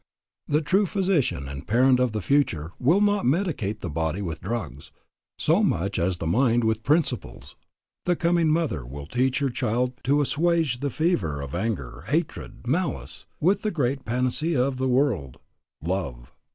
The true physician and parent of the future will not medicate the body with drugs so much as the mind with principles. The coming mother will teach her child to assuage the fever of anger, hatred, malice, with the great panacea of the world, Love.